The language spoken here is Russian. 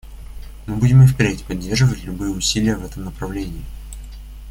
Мы будем и впредь поддерживать любые усилия в этом направлении.